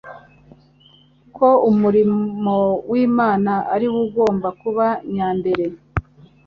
ko umurimo w'Imana ari wo ugomba kuba nyambere.